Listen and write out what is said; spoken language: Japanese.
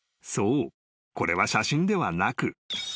これは写真ではなく］